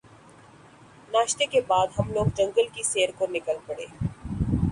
ناشتے کے بعد ہم لوگ جنگل کی سیر کو نکل پڑے